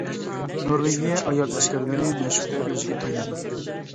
نورۋېگىيە ئايال ئەسكەرلىرى: مەشىقتە ئۆزىگە تايىنىدۇ.